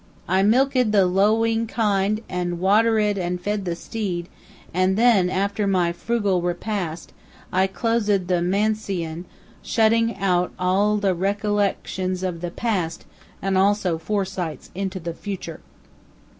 I milk ed the lowing kine and water ed and fed the steed, and then, after my fru gal repast, I clos ed the man si on, shutting out all re collections of the past and also foresights into the future.